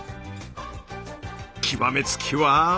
極め付きは。